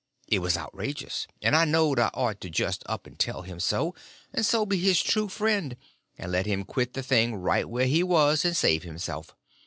It was outrageous, and I knowed I ought to just up and tell him so; and so be his true friend, and let him quit the thing right where he was and save himself.